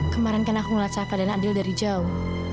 kemarin kan aku ngeliat safa dan adil dari jauh